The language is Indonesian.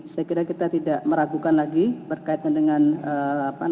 saya kira kita tidak meragukan lagi berkaitan dengan apa namanya